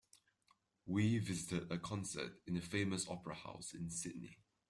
We visited a concert in the famous opera house in Sydney.